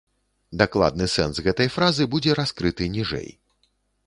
Дакладны сэнс гэтай фразы будзе раскрыты ніжэй.